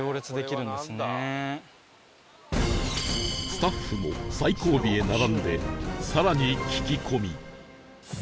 スタッフも最後尾へ並んで更に聞き込み